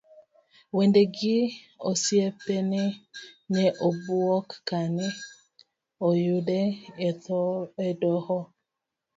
Wedene gi osiepene ne obuok kane oyude e doho.